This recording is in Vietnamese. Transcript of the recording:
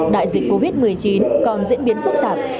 đại dịch covid một mươi chín còn diễn biến phức tạp